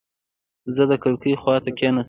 زه د کړکۍ خواته کېناستم.